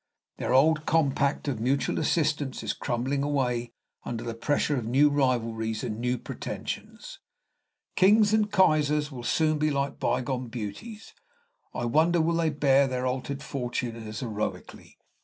Their old compact of mutual assistance is crumbling away under the pressure of new rivalries and new pretensions. Kings and Kaisers will soon be like bygone beauties. I wonder will they bear their altered fortune as heroically?"